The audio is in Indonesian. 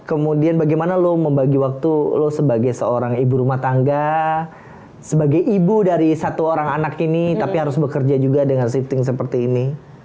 kemudian bagaimana lo membagi waktu lo sebagai seorang ibu rumah tangga sebagai ibu dari satu orang anak ini tapi harus bekerja juga dengan shifting seperti ini